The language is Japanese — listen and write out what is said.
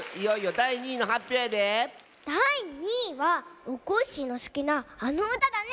だい２いはおこっしぃのすきなあのうただね！